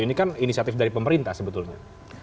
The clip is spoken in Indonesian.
ini kan inisiatif dari pemerintah sebetulnya